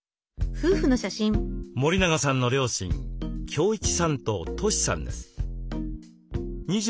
森永さんの両親京一さんとトシさんです。